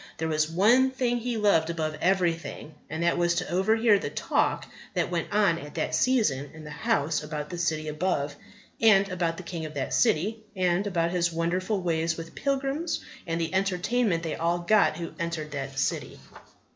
There was one thing he loved above everything, and that was to overhear the talk that went on at that season in that house about the City above, and about the King of that City, and about His wonderful ways with pilgrims, and the entertainment they all got who entered that City.